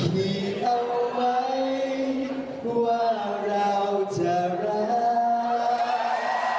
คิดเอาไว้ว่าเราจะรัก